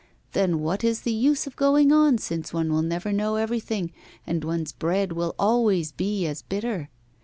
Then what is the use of going on, since one will never know everything, and one's bread will always be as bitter?